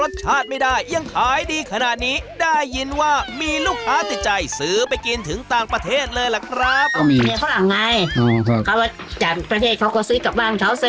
ชาติไม่ได้ยังขายดีขนาดนี้ได้ยินว่ามีลูกค้าติดใจซื้อไปกินถึงต่างประเทศเลยล่ะครับ